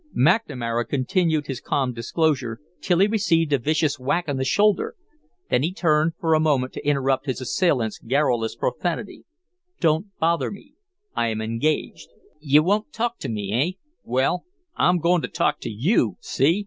McNamara continued his calm discourse till he received a vicious whack on the shoulder; then he turned for a moment to interrupt his assailant's garrulous profanity: "Don't bother me. I am engaged." "Ye won' talk to me, eh? Well, I'm goin' to talk to YOU, see?